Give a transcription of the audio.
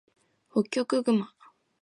ホッキョクグマ